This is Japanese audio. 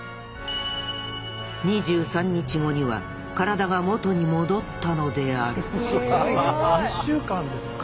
２３日後には体が元に戻ったのである３週間で復活？